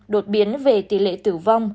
đột biến về tỷ lệ tử vong